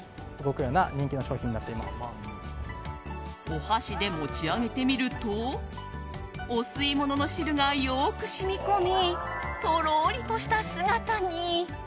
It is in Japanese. お箸で持ち上げてみるとお吸い物の汁がよく染み込みとろーりとした姿に。